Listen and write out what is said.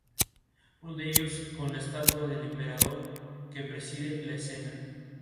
Estos hombres pusieron su esperanza y entusiasmo en el desarrollo del fútbol del este.